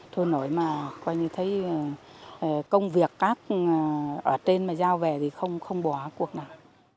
sôi nổi mà coi như thấy công việc các ở trên mà giao về thì không bỏ cuộc nào